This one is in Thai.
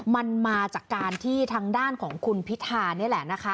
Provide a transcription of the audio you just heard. มันมาจากการที่ทางด้านของคุณพิธานี่แหละนะคะ